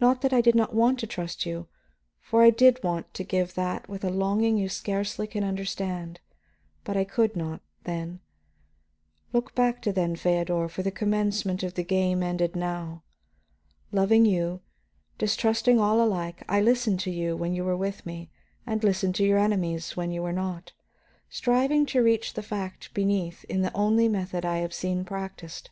Not that I did not want to trust you, for I did want to give that with a longing you scarcely can understand; but I could not, then. Look back to then, Feodor, for the commencement of the game ended now. Loving you, distrusting all alike, I listened to you when you were with me and listened to your enemies when you were not, striving to reach the fact beneath in the only method I have seen practised.